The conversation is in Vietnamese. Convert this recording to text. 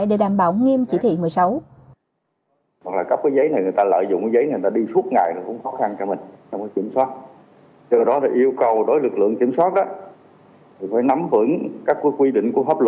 để đảm bảo nghiêm chỉ thị một mươi sáu